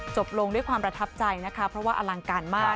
จบลงด้วยความประทับใจนะคะเพราะว่าอลังการมาก